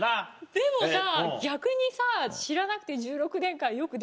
でもさ逆にさ知らなくて１６年間よくできてたね。